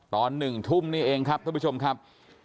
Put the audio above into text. ตอน๑ทุ่มนี่เองครับท่านผู้ชมครับ